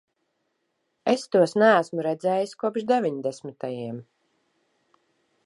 Es tos neesmu redzējis kopš deviņdesmitajiem.